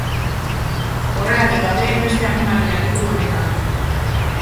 Horregatik daude hainbeste animalia liburu honetan.